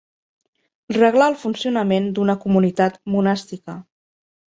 Reglar el funcionament d'una comunitat monàstica.